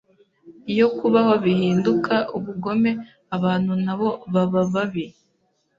Iyo kubaho bihinduka ubugome abantu nabo baba babi